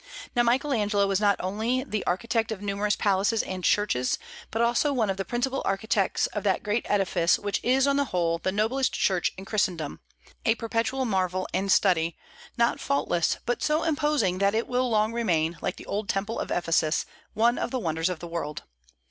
Now Michael Angelo was not only the architect of numerous palaces and churches, but also one of the principal architects of that great edifice which is, on the whole, the noblest church in Christendom, a perpetual marvel and study; not faultless, but so imposing that it will long remain, like the old temple of Ephesus, one of the wonders of the world.